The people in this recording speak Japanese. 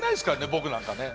僕なんかね。